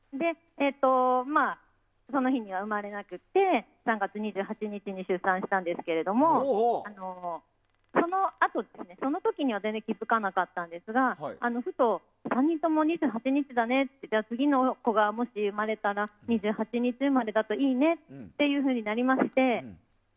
その日には生まれなくて３月２８日に出産したんですがその時には全然気づかなかったんですがふと、３人とも２８日だねってじゃあ次の子がもし生まれたら２８日生まれだといいねとなりまして。